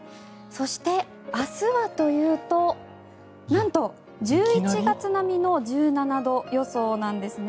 そして、明日はというとなんと１１月並みの１７度予想なんです。